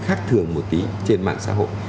khác thường một tí trên mạng xã hội